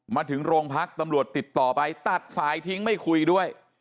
มาถึงโรงพักตำรวจติดต่อไปตัดสายทิ้งไม่คุยด้วย